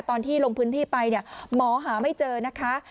ตอนที่ลงพื้นที่ไปเนี่ยหมอหาไม่เจอนะคะ